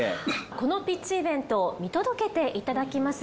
このピッチイベントを見届けていただきます